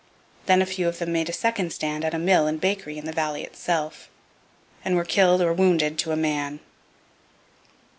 Then a few of them made a second stand at a mill and bakery in the valley itself, and were killed or wounded to a man.